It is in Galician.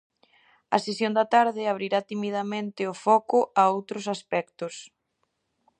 A sesión da tarde abrirá timidamente o foco a outros aspectos.